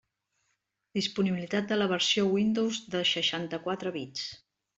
Disponibilitat de la versió Windows de seixanta-quatre bits.